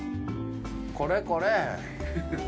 これこれ！